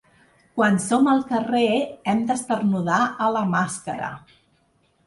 Quan som al carrer, hem d’esternudar a la màscara.